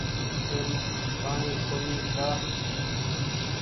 ايم پآڻيٚ ڪونيٚ ڪآ